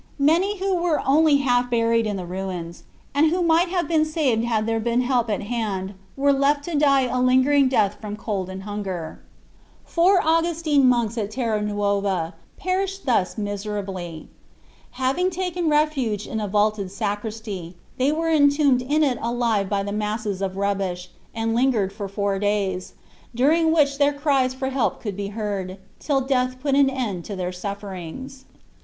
Many who were only half buried in the ruins, and who might have been saved had there been help at hand, were left to die a lingering death from cold and hunger. Four Augustine monks at Terranuova perished thus miserably. Having taken refuge in a vaulted sacristy, they were entombed in it alive by the masses of rubbish, and lingered for four days, during which their cries for help could be heard, till death put an end to their sufferings.